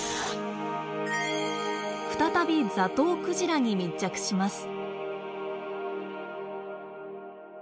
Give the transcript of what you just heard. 再びザトウクジラに密着します。